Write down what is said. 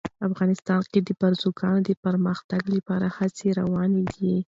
افغانستان کې د بزګانو د پرمختګ لپاره هڅې روانې دي.